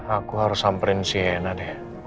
aku harus samperin sienna deh